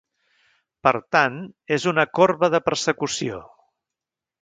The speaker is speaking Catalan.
Per tant, és una corba de persecució.